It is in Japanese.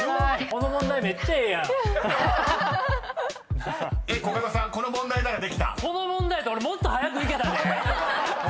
この問題やったら俺もっと早くいけたで。